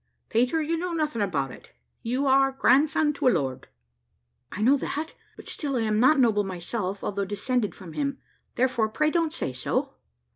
"Peter, you know nothing about it; you are grandson to a lord." "I know that, but still I am not noble myself, although descended from him; therefore pray don't say so."